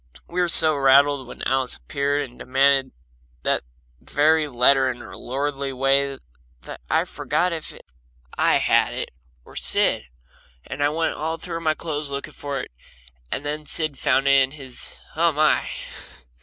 We were so rattled when Alice appeared and demanded that very letter in her lordly way that I forgot if I had it or Sid, and I went all through my clothes looking for it, and then Sid found it in his, and, oh, my!